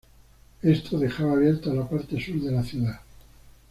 Esto dejaba abierta la parte sur de la ciudad.